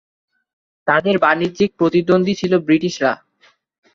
তাদের বাণিজ্যিক প্রতিদ্বন্দী ছিলো ব্রিটিশরা।